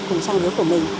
cùng trang giới của mình